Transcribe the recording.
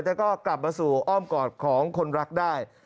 แต่ก็กลับมาสู่อ้อมกอดของคนรักได้